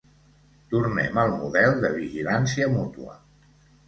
Tornem al model de vigilància mútua.